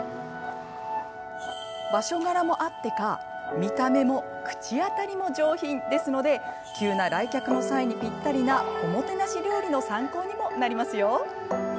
場所柄もあってか見た目も口当たりも上品ですので急な来客の際にぴったりなおもてなし料理の参考にもなりますよ。